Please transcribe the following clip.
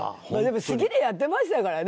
好きでやってましたからね。